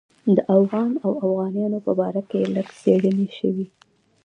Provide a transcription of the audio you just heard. د اوغان او اوغانیانو په باره کې لږ څېړنې شوې.